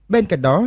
bên cạnh đó